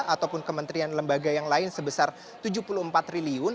ataupun kementerian lembaga yang lain sebesar rp tujuh puluh empat triliun